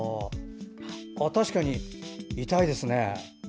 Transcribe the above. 確かに痛いですね。